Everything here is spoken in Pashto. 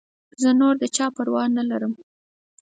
زه نور د چا پروا نه لرم.